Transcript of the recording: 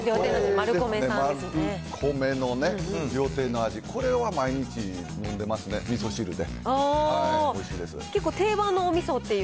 マルコメの料亭の味、これは毎日飲んでますね、みそ汁で。